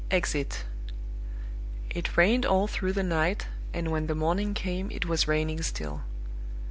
EXIT. It rained all through the night, and when the morning came it was raining still.